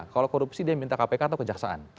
kalau korupsi dia yang minta kpk atau kejaksaan